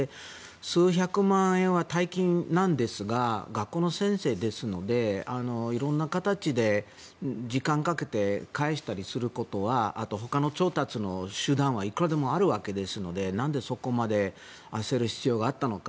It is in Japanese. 数百万円は大金なんですが学校の先生ですので色んな形で時間をかけて返したりすることやほかの調達の手段はいくらでもあるわけですのでなんでそこまで焦る必要があったのか。